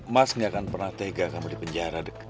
mas gak akan pernah tega kamu dipenjara